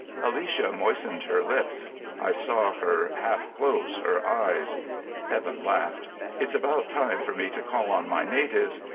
Alicia moistened her lips. I saw her half close her eyes. Evan laughed. "It's about time for me to call on my natives.